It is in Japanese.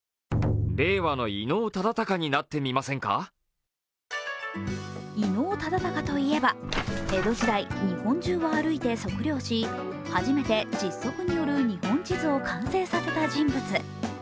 伊能忠敬といえば江戸時代日本中を歩いて測量し初めて実測による日本地図を完成させた人物。